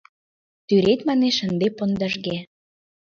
Тӱред, манеш, ынде пондашге.